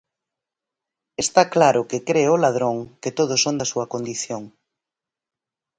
Está claro que cre o ladrón que todos son da súa condición.